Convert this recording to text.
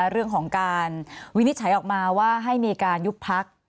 เรื่องของการวินิจฉัยออกมาว่าให้มีการยุบพัก